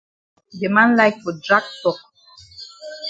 De man like for drag tok.